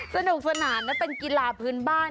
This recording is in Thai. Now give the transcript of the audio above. สนุกสนานและเป็นกีฬาพื้นบ้าน